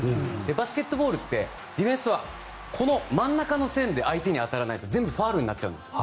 バスケットボールでディフェンスはこの真ん中の線で相手に当たらないと全部ファウルになっちゃうんです。